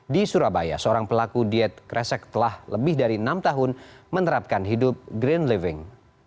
di surabaya seorang pelaku diet kresek telah lebih dari enam tahun menerapkan hidup green living